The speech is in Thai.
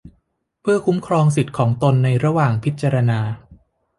เพื่อคุ้มครองสิทธิของตนในระหว่างพิจารณา